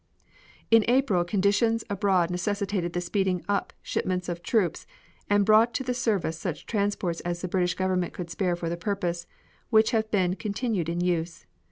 In April conditions abroad necessitated the speeding up shipments of troops, and brought to the service such transports as the British Government could spare for the purpose, which have been continued in use.